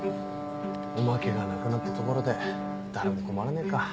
おまけがなくなったところで誰も困らねえか。